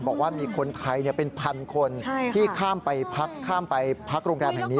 บอกว่ามีคนไทยเป็นพันคนที่ข้ามไปพักข้ามไปพักโรงแรมแห่งนี้